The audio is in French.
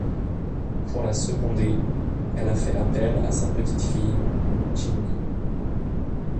Pour la seconder, elle a fait appel à sa petite-fille, Chimney.